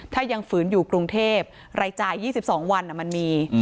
ถ้ายังฝืนอยู่กรุงเทพรายจ่าย๒๒วันมันมี